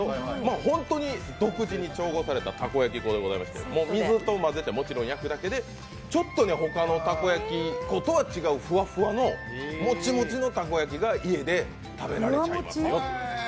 本当に独自に調合された粉で、水と混ぜて焼くだけでちょっと他のたこ焼き粉とは違うふわふわ、もちもちのたこ焼きが家で食べられちゃうよと。